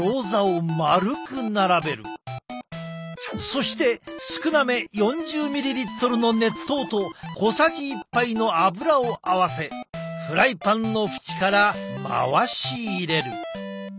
そして少なめ４０ｍｌの熱湯と小さじ１杯の油を合わせフライパンの縁から回し入れる。